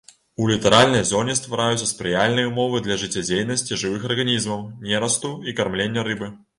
У літаральнай зоне ствараюцца спрыяльныя ўмовы для жыццядзейнасці жывых арганізмаў, нерасту і кармлення рыбы.